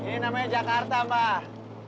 mbah ini namanya jakarta mbah